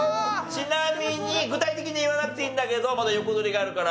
ちなみに具体的に言わなくていいんだけどまだ横取りがあるから。